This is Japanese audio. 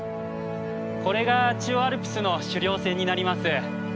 これが中央アルプスの主稜線になります。